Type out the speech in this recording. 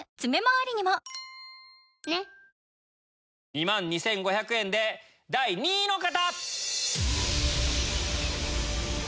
２万２５００円で第２位の方！